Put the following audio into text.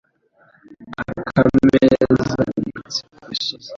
akameza ubwatsi ku misozi